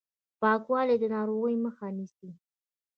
پاکوالی د ناروغیو مخه نیسي.